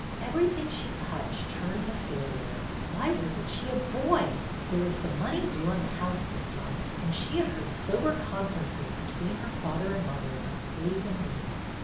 Everything she touched turned to failure. Why was n't she a boy? There was the money due on the house this month, and she had heard sober conferences between her father and mother about ways and means.